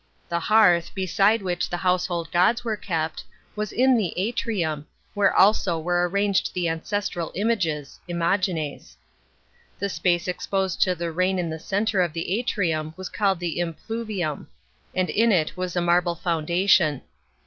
The hearth, beside which the household go is were kept, was in the atrium, where also were arranged the ancestral images (imagines')* The space exposed to the rain in the centre of the a'rium was calle 1 the impluvium. and in it was a marble fountain.